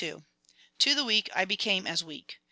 To the weak I became as weak.